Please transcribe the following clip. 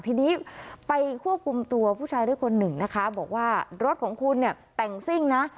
ทีนี้ไปควบคุมตัวผู้ชายด้วยคนหนึ่งนะคะบอกว่ารถของคุณเนี่ยแต่งซิ่งนะ